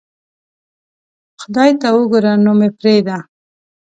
خدای ته اوګوره نو مې پریدا